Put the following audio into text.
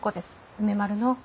梅丸の。